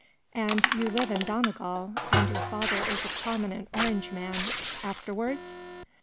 And you live in Donegal, and your father is a prominent Orangeman. After wards